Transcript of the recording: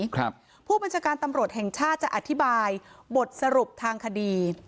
ครับผู้บัญชาการตำรวจแห่งชาติจะอธิบายบทสรุปทางคดี